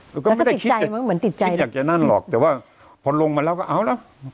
แล้วก็ไม่ได้คิดอยากจะนั่นหรอกแต่ว่าพอลงมาแล้วก็เอาแล้ว